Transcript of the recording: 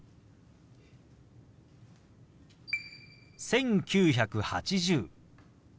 「１９８０」。